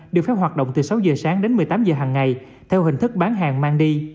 được phép hoạt động từ sáu h sáng đến một mươi tám h hàng ngày theo hình thức bán hàng mang đi